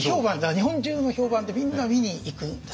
日本中の評判でみんな見に行くんです。